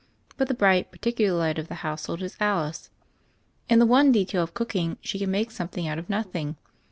But the bright, par ticular light of the household is Alice. In the one detail of cooking, she can make something out of nothing.